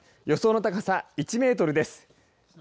予想の高さ１メートルです。